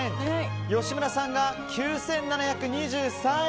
吉村さんが９７２３円。